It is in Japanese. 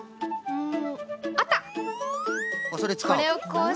うん！